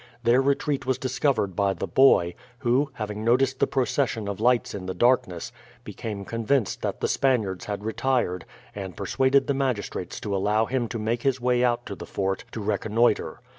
Their retreat was discovered by the boy, who, having noticed the procession of lights in the darkness, became convinced that the Spaniards had retired, and persuaded the magistrates to allow him to make his way out to the fort to reconnoitre.